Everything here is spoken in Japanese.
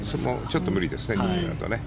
ちょっと無理ですね